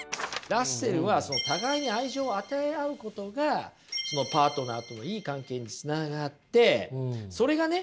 ラッセルは互いに愛情を与え合うことがパートナーとのいい関係につながってそれがね